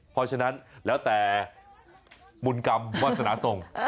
เพราะฉะนั้นแล้วแต่บุญกรรมวาสนาทรง